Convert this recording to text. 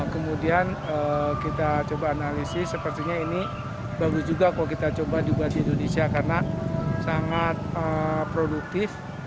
kemudian kita coba analisis sepertinya ini bagus juga kalau kita coba juga di indonesia karena sangat produktif